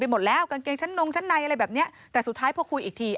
หมดแล้วกางเกงชั้นนงชั้นในอะไรแบบเนี้ยแต่สุดท้ายพอคุยอีกที